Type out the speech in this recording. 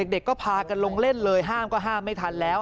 เด็กก็พากันลงเล่นเลยห้ามก็ห้ามไม่ทันแล้ว